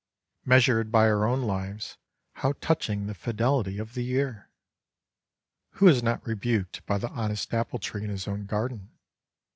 Measured by our own lives, how touching the fidelity of the year! Who is not rebuked by the honest apple tree in his own garden?